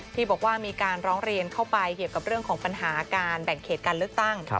ที่บอกว่ามีการร้องเรียนเข้าไปเกี่ยวกับเรื่องของปัญหาการแบ่งเขตการเลือกตั้ง